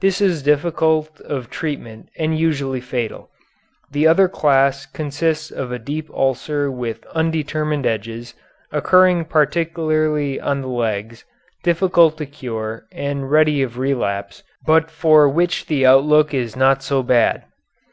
This is difficult of treatment and usually fatal. The other class consists of a deep ulcer with undermined edges, occurring particularly on the legs, difficult to cure and ready of relapse, but for which the outlook is not so bad.